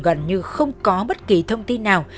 gần như không có bất kỳ thông tin nào